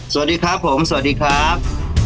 สวัสดีครับผมสวัสดีครับ